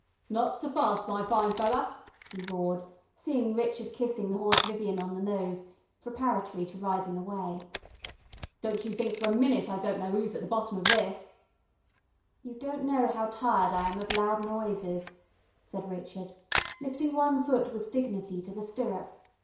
"Not ser fast, my fine feller," he roared, seeing Richard kissing the Horse Vivian on the nose, preparatory to riding away. "Don't you think for a minute I don't know 'oo's at the bottom of this." "You don't know how tired I am of loud noises," said Richard, lifting one foot with dignity to the stirrup.